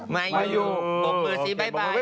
ไม่มี